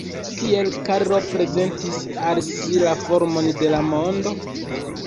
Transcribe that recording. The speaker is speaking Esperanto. Kiel Karlo prezentis al si la formon de la mondo?